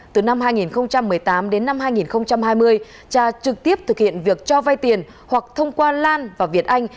từ năm hai nghìn một mươi tám đến năm hai nghìn hai mươi cha trực tiếp thực hiện việc cho vay tiền hoặc thông qua lan và việt anh